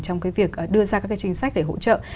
trong cái việc đưa ra các cái chính sách để hỗ trợ